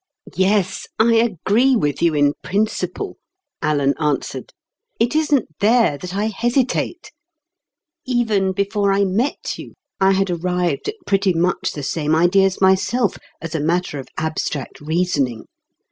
"Yes, I agree with you in principle," Alan answered. "It isn't there that I hesitate. Even before I met you, I had arrived at pretty much the same ideas myself, as a matter of abstract reasoning.